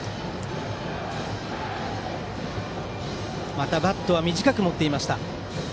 またバットは短く持っていました。